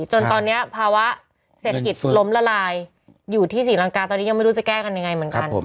จนตอนนี้ภาวะเศรษฐกิจล้มละลายอยู่ที่ศรีลังกาตอนนี้ยังไม่รู้จะแก้กันยังไงเหมือนกัน